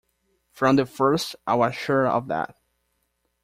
From the first I was sure of that.